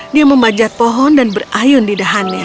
dia membajat pohon dan berayun di dahannya